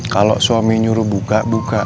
kalau suami nyuruh buka buka